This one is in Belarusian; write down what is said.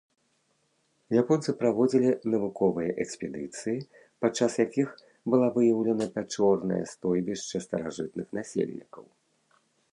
Японцы праводзілі навуковыя экспедыцыі, пад час якіх была выяўлена пячорнае стойбішча старажытных насельнікаў.